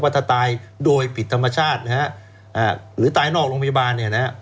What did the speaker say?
ถ้าตายโดยผิดธรรมชาตินะฮะหรือตายนอกโรงพยาบาลเนี่ยนะฮะ